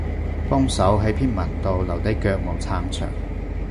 幫手喺篇文度留低腳毛撐場